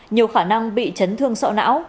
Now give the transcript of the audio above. nhiều khả năng bị chấn thương sọ não